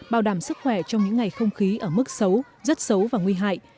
bảo đảm sức khỏe trong những ngày không khí ở mức xấu rất xấu và nguy hại